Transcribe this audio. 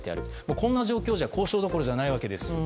こんな状況じゃ交渉どころじゃないわけです。